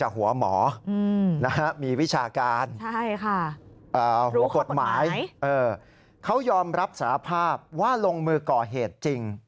หัวกฎหมายเขายอมรับสาภาพว่าลงมือก่อเหตุจริง